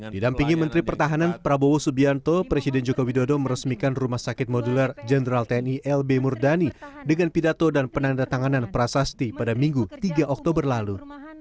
didampingi menteri pertahanan prabowo subianto presiden joko widodo meresmikan rumah sakit modular jenderal tni lb murdani dengan pidato dan penanda tanganan prasasti pada minggu tiga oktober lalu